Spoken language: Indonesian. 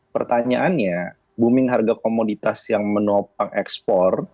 pertanyaannya booming harga komoditas yang menopang ekspor